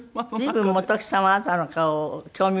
随分本木さんはあなたの顔を興味深げに。